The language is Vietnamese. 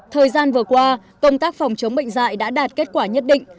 thời gian vừa qua công tác phòng chống bệnh dạy đã đạt kết quả nhất định